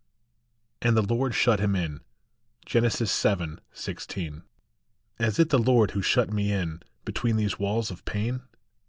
And the Lord shut him in. Gen. vii. 16. AS it the Lord who shut me in Between these walls of pain